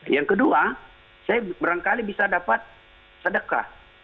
yang kedua saya berangkali bisa dapat sedekah